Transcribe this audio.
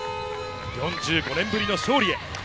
４５年ぶりの勝利へ。